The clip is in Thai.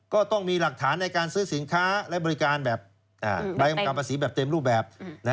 ก็ต้องมีหลักฐานในการซื้อสินค้าและบริการแบบใบของการภาษีแบบเต็มรูปแบบ